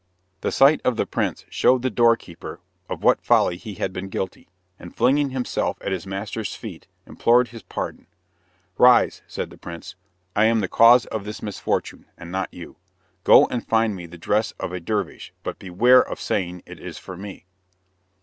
The sight of the prince showed the doorkeeper of what folly he had been guilty, and flinging himself at his master's feet, implored his pardon. "Rise," said the prince, "I am the cause of this misfortune, and not you. Go and find me the dress of a dervish, but beware of saying it is for me."